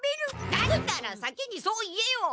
だったら先にそう言えよ！